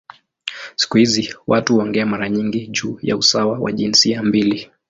Siku hizi watu huongea mara nyingi juu ya usawa wa jinsia mbili.